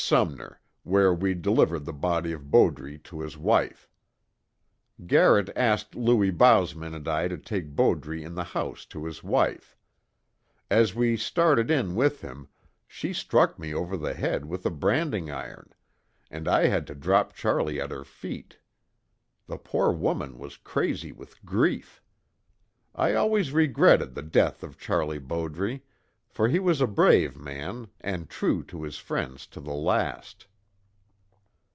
Sumner, where we delivered the body of Bowdre to his wife. Garrett asked Louis Bousman and I to take Bowdre in the house to his wife. As we started in with him, she struck me over the head with a branding iron, and I had to drop Charlie at her feet. The poor woman was crazy with grief. I always regretted the death of Charlie Bowdre, for he was a brave man, and true to his friends to the last.